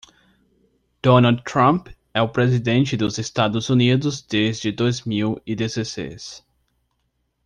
Donald Trump é o presidente dos Estados Unidos desde dois mil e dezesseis.